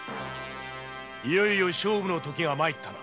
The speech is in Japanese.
いよいよ勝負のときが参ったな。